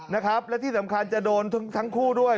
นะครับและที่สำคัญจะโดนทั้งคู่ด้วย